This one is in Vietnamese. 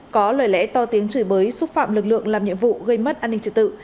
có lời lẽ to tiếng chửi bới xúc phạm lực lượng làm nhiệm vụ gây mất an ninh trật tự